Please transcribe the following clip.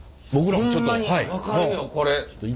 僕らもちょっと。